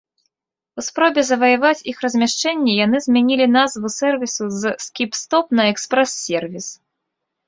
У спробе заваяваць іх размяшчэнне яны змянілі назву сэрвісу з скіп-стоп на экспрэс-сервіс.